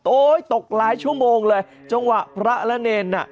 โอ๊ยตกหลายชั่วโมงเลยจงว่าพระระเนรน่ะ